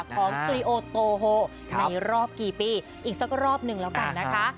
สตูดิโอโตโฮในรอบกี่ปีอีกสักรอบหนึ่งแล้วกันนะคะ